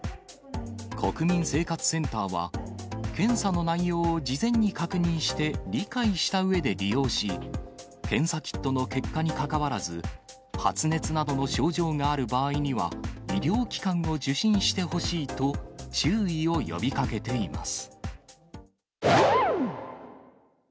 国民生活センターは、検査の内容を事前に確認して、理解したうえで利用し、検査キットの結果にかかわらず、発熱などの症状がある場合には、医療機関を受診してほしいと、注意を呼びかけています。